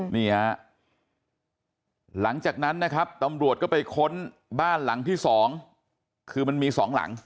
นี่ฮะหลังจากนั้นนะครับตำรวจก็ไปค้นบ้านหลังที่สองคือมันมีสองหลัง